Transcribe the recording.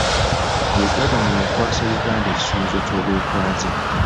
Ye Gavana eyakwasa Uganda ekisumuluzo ky'obwetwaze.